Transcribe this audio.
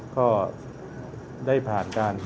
สวัสดีครับ